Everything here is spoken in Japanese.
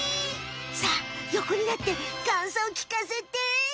さあよこになってかんそうきかせて！